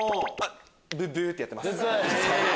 ブッブ！ってやってます。